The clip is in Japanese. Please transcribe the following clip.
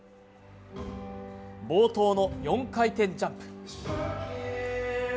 冒頭の４回転ジャンプ。